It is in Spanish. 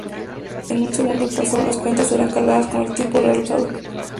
En un segundo paso, las cuentas serán cargadas con el tiempo real usado.